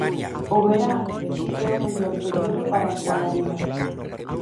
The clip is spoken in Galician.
O verán é o mellor período para a hostalaría.